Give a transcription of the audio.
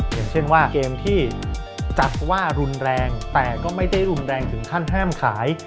อย่างเช่นว่าเกมที่จัดว่ารุนแรงแต่ก็ไม่ได้รุนแรงถึงขั้นห้ามขาย